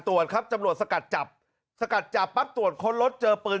ตรวจครับตำรวจสกัดจับสกัดจับปั๊บตรวจค้นรถเจอปืน